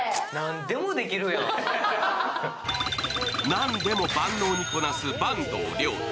何でも万能にこなす坂東龍汰。